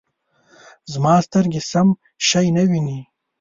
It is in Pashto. زما سترګې سم شی نه وینې